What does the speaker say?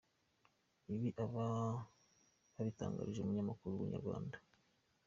Ibi aba babitangarije umunyamakuru wa Inyarwanda.